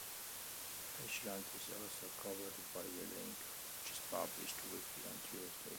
Pageland is also covered by "The Link", which is published weekly on Tuesday.